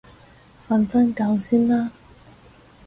瞓返覺先啦